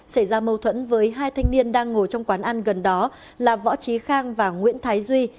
xảy ra mâu thuẫn với hai thanh niên đang ngồi trong quán ăn gần đó là võ trí khang và nguyễn thái duy